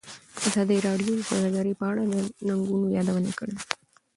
ازادي راډیو د سوداګري په اړه د ننګونو یادونه کړې.